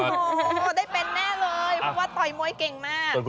ได้เป็นแน่เลย